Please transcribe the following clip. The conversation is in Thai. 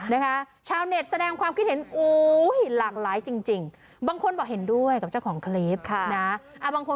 นะคะชาวเน็ตแสดงความคิดเห็นโอ้ยหลากหลายจริงจริง